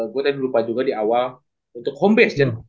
gue tadi lupa juga di awal untuk home base